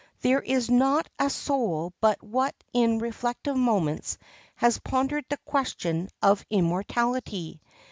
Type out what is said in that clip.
There is not a soul but what in reflective moments has pondered the question of immortality.